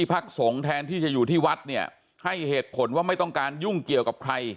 พักสงฆ์แทนที่จะอยู่ที่วัดเนี่ยให้เหตุผลว่าไม่ต้องการยุ่งเกี่ยวกับใคร